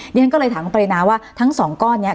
ฉันก็เลยถามคุณปรินาว่าทั้งสองก้อนนี้